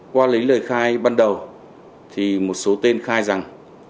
qua lấy lời khai ban đầu thì một số tên khai rằng